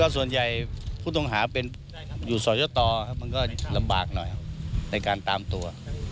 สอยต่อมันก็ลำบากหน่อยในการตามตัว